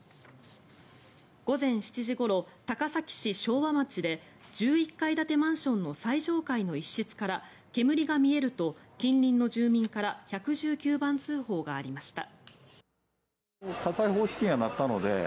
午前７時ごろ、高崎市昭和町で１１階建てマンションの最上階の一室から煙が見えると、近隣の住民から１１９番通報がありました。